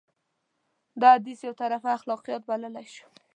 دا حديث يو طرفه اخلاقيات بللی شو.